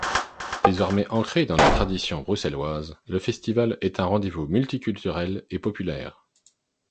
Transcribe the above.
Désormais ancré dans la tradition bruxelloise, le festival est un rendez-vous multiculturel et populaire.